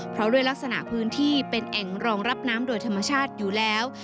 เพราะด้วยลักษณะพื้นที่เป็นแอ่งรองรับน้ำโดยธรรมชาติอยู่แล้ว